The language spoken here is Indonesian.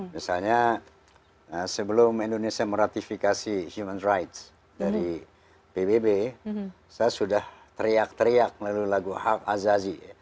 misalnya sebelum indonesia meratifikasi human rights dari pbb saya sudah teriak teriak melalui lagu hak azazi